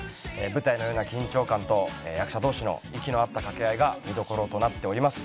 舞台のような緊張感と役者同士の息の合った掛け合いが見どころとなっております。